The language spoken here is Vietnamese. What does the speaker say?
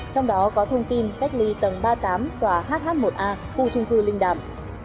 trong đó có thông tin cách ly tầng ba mươi tám tòa hh một a khu trung cư linh đàm